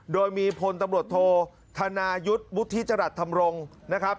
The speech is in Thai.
โดยมีพลตำรวจโทษธนายุทธ์วุฒิจรัสธรรมรงค์นะครับ